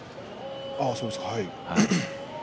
そうですか。